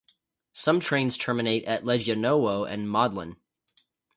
Some trains terminate at Legionowo and Modlin.